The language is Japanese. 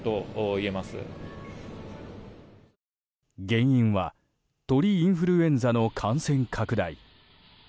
原因は鳥インフルエンザの感染拡大。